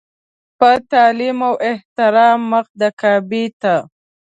په تعلیم او احترام مخ د کعبې ته.